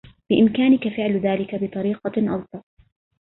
بإمكانك فعل ذلك بطريقة ألطف.